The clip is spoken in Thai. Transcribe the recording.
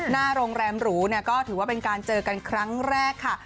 หน้าโรงแรมหรูเนี่ยก็ถือว่าเป็นการเจอกันครั้งแรกค่ะ